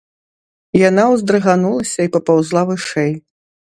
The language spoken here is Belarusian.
Яна ўздрыганулася і папаўзла вышэй.